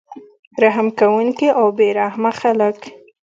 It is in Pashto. رحم کوونکي او بې رحمه خلک